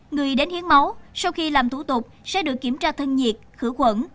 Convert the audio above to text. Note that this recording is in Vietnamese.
người đến hiến máu sau khi làm thủ tục sẽ được kiểm tra thân nhiệt khử khuẩn